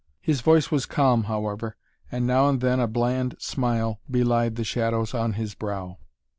His voice was calm however, and now and then a bland smile belied the shadows on his brow.